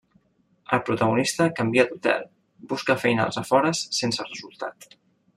El protagonista canvia d'hotel, busca feina als afores, sense resultat.